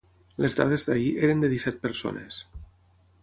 Les dades d’ahir eren de disset persones.